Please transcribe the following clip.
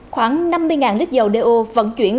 khoảng năm mươi lít dầu đeo vận chuyển